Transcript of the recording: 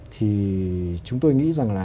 thì chúng tôi nghĩ rằng là